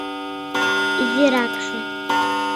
— Изиракше.